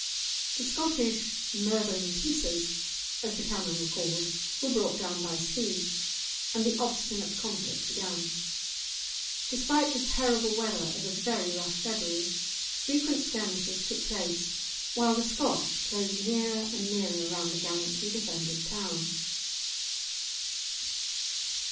The Scottish "murthering pieces," as the cannon were called, were brought down by sea, and the obstinate conflict began. Despite the terrible weather of a very rough February, frequent skirmishes took place, while the Scots closed nearer and nearer round the gallantly defended town.